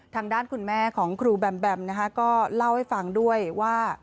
ทางด้านคุณแม่ของครูแบมแบมนะคะก็เล่าให้ฟังด้วยว่า